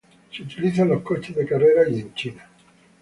Se utiliza en los coches de carreras y en China.